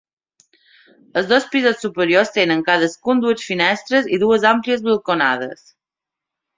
Els dos pisos superiors tenen cadascun dues finestres i dues àmplies balconades.